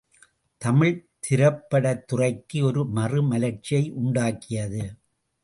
தமிழ்த் திரைப்படத்துறைக்கு ஒரு மறுமலர்ச்சியை உண்டாக்கியது.